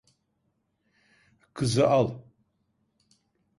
Kızı al.